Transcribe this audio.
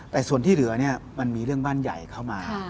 แต่ส่วนที่เหลือเนี่ยมันมีเรื่องบ้านใหญ่เข้ามา